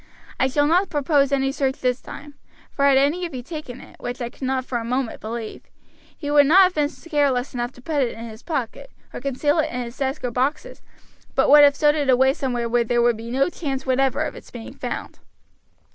I shall not propose any search this time, for had any of you taken it, which I cannot for a moment believe, he would not have been careless enough to put it in his pocket, or conceal it in his desk or boxes, but would have stowed it away somewhere where there would be no chance whatever of its being found.